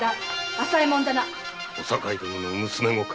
小堺殿の娘御か。